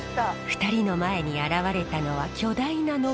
２人の前に現れたのは巨大な登り窯。